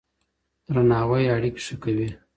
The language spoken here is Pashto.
درناوی اړیکې ښه کوي.